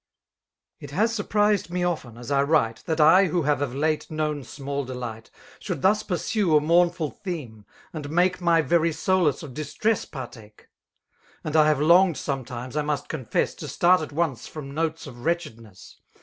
It ha3 surprised me often, as I write. That I, who hare of late known smtdl delight. Should thus pursue a mournful theme, and make My very solace of distress partake. And I have longed sometimes, I must confesSi To start at once from notes of wretchedness.